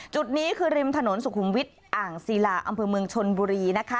จุดนี้คือริมถนนสุขุมวิทย์อ่างศิลาอำเภอเมืองชนบุรีนะคะ